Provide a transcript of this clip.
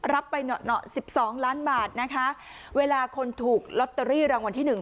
รับไป๑๒ล้านบาทนะคะเวลาคนถูกล็อตเตอรี่รางวัลที่หนึ่ง